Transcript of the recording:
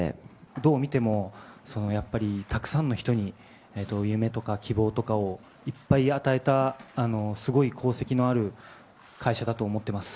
どう見ても、やっぱりたくさんの人に夢とか希望とかをいっぱい与えた、すごい功績のある会社だと思ってます。